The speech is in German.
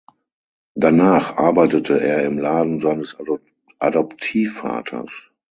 Danach arbeitete er im Laden seines Adoptivvaters.